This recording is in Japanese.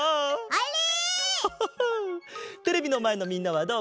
あれ？